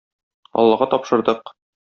Аллага тапшырдык!